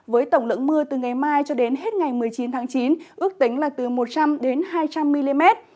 với tổng lượng mưa từ ngày mai cho đến hết ngày một mươi chín tháng chín ước tính là từ một trăm linh đến hai trăm linh mm